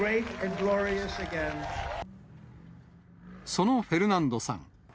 そのフェルナンドさん。